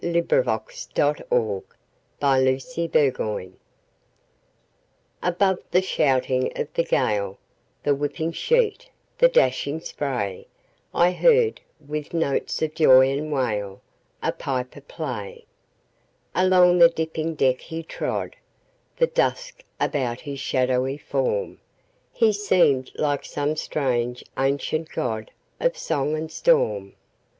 Clinton Scollard Bag Pipes at Sea ABOVE the shouting of the gale, The whipping sheet, the dashing spray,I heard, with notes of joy and wail,A piper play. Along the dipping deck he trod, The dusk about his shadowy form; He seemed like some strange ancient godOf song and storm.